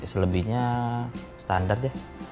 selebihnya standar ya